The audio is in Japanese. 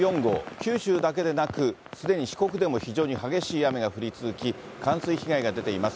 九州だけでなく、すでに四国でも非常に激しい雨が降り続き、冠水被害が出ています。